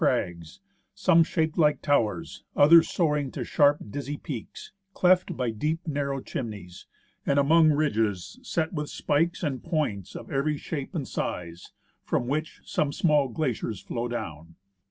crags, some shaped like towers, others soaring to sharp dizzy peaks, cleft by deep narrow chimneys, and among ridges set with spikes and points of every shape and size, from which some small glaciers flow down.